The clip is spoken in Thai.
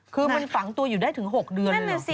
คือมันฝังตัวอยู่ได้ถึง๖เดือนเลย